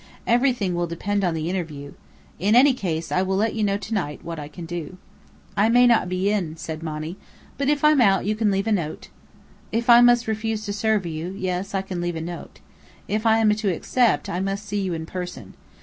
Everything will depend on the interview. In any case, I will let you know to night what I can do." "I may not be in," said Monny. "But if I'm out, you can leave a note." "If I must refuse to serve you, yes, I can leave a note. If I am to accept, I must see you in person.